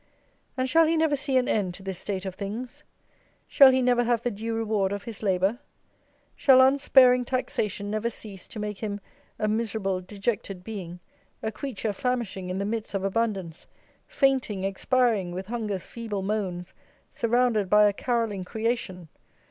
And shall he never see an end to this state of things? Shall he never have the due reward of his labour? Shall unsparing taxation never cease to make him a miserable dejected being, a creature famishing in the midst of abundance, fainting, expiring with hunger's feeble moans, surrounded by a carolling creation?